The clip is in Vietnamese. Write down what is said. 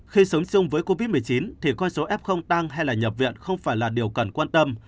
khi sống chung với covid một mươi chín thì con số f tăng hay là nhập viện không phải là điều cần quan tâm